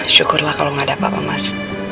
syukurlah kalau gak ada apa apa mas